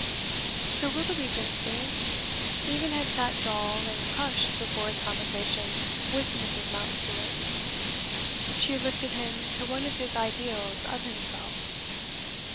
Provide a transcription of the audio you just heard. Sir Willoughby's instinct even had sat dull and crushed before his conversation with Mrs. Mountstuart. She lifted him to one of his ideals of himself.